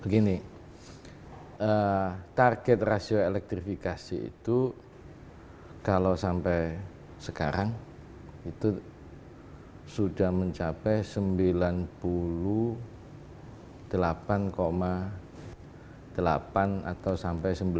gini target rasio elektrifikasi itu kalau sampai sekarang itu sudah mencapai sembilan puluh delapan delapan atau sampai sembilan puluh